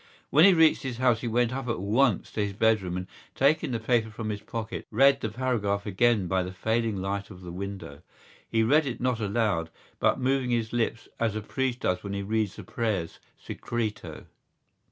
When he reached his house he went up at once to his bedroom and, taking the paper from his pocket, read the paragraph again by the failing light of the window. He read it not aloud, but moving his lips as a priest does when he reads the prayers Secreto.